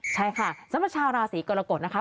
ใช่ค่ะสำหรับชาวราศีกรกฎนะคะ